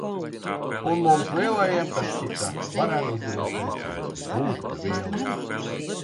Un mums, lielajiem, tas šķita varen izdevies teiciens – "būt dvielī".